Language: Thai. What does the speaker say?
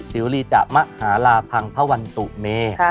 สิวรีจะมหาลาพังพระวันตุเม